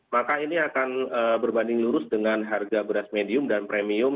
maka ini akan berbanding lurus dengan harga beras medium dan premium